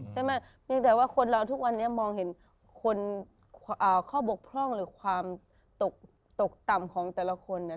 เพียงแต่ว่าคนเราทุกวันนี้มองเห็นคนข้อบกพร่องหรือความตกต่ำของแต่ละคนเนี่ย